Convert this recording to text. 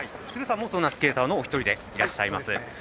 鶴さんもそんなスケーターの一人でいらっしゃいます。